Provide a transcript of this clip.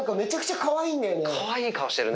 かわいい顔してるね。